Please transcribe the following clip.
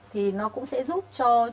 thì nó cũng sẽ giúp cho